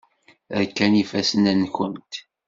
Rkan yifassen-nwent.